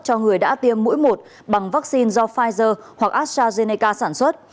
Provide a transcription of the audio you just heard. cho người đã tiêm mũi một bằng vaccine do pfizer hoặc astrazeneca sản xuất